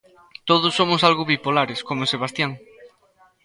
Todos somos algo bipolares, como Sebastian.